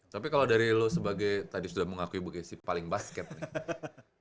tapi kalau dari lo sebagai tadi sudah mengakui bu gesi paling basket nih